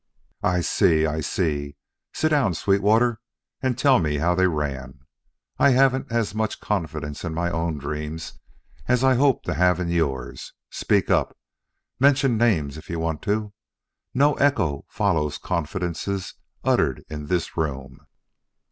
"I see, I see! Sit down, Sweetwater, and tell me how they ran. I haven't as much confidence in my own dreams as I hope to have in yours. Speak up! Mention names, if you want to. No echo follows confidences uttered in this room."